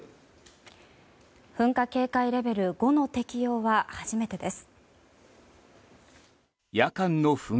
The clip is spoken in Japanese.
噴火警戒レベル５の適用は初めてです。